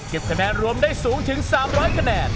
คะแนนรวมได้สูงถึง๓๐๐คะแนน